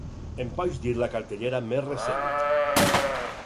Em pots dir la cartellera més recent